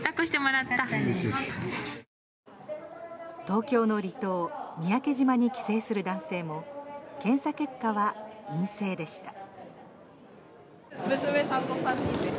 東京の離島三宅島に帰省する男性も検査結果は陰性でした。